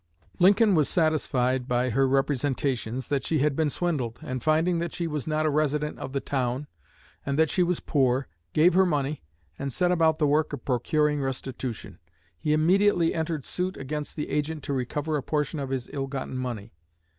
Lincoln was satisfied by her representations that she had been swindled, and finding that she was not a resident of the town, and that she was poor, gave her money, and set about the work of procuring restitution. He immediately entered suit against the agent to recover a portion of his ill gotten money.